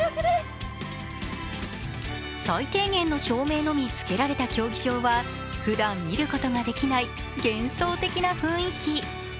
最低限の照明のみつけられた競技場はふだん見ることができない幻想的な雰囲気。